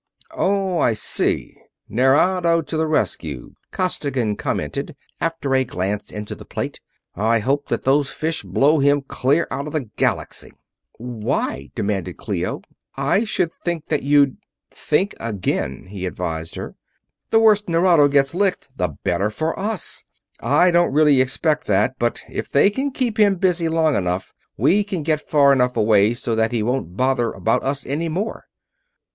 "Oh, I see Nerado to the rescue," Costigan commented, after a glance into the plate. "I hope that those fish blow him clear out of the Galaxy!" "Why?" demanded Clio. "I should think that you'd...." "Think again," he advised her. "The worse Nerado gets licked the better for us. I don't really expect that, but if they can keep him busy long enough, we can get far enough away so that he won't bother about us any more."